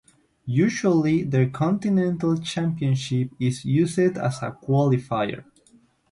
Usually their continental championship is used as a qualifier.